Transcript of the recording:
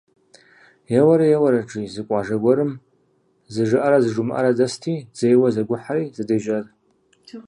Еуэрэ-еуэрэт, жи, зы къуажэ гуэрым зы Жыӏэрэ зы Жумыӏэрэ дэсти, дзейуэ зэгухьэри, зэдежьащ.